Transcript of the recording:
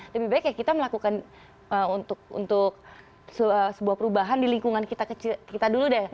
lebih baik ya kita melakukan untuk sebuah perubahan di lingkungan kita dulu deh